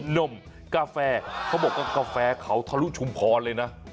นมกาแฟเขาบอกว่ากาแฟเขาทะลุชุมพรเลยนะ